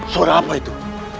suara apa itu